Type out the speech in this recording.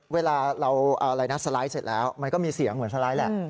เวลาเราอะไรนะสไลด์เสร็จแล้วมันก็มีเสียงเหมือนสไลด์แหละ